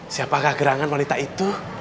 siapakah gerangan wanita itu